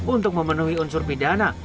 untuk memenuhi unsur pidana